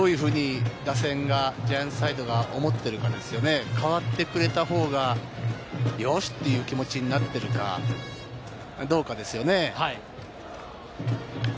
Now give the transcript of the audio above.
どういうふうにジャイアンツ打線が思っているか、代わってくれた方がよし！という気持ちになっているのか、どうかですよね。